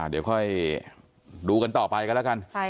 เดี๋ยวค่อยดูกันต่อไปกันแล้วกัน